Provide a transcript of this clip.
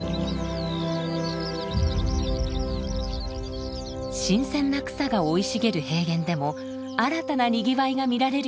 新鮮な草が生い茂る平原でも新たなにぎわいが見られるようになります。